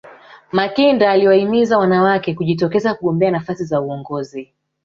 makinda aliwahimiza wanawake kujitokeza kugombea nafasi za uongozi